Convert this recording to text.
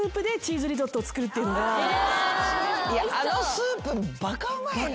あのスープバカうまいよね。